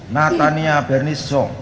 natania bernis zong